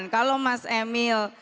kalau mas emil